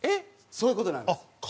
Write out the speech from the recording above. そういう事なんです。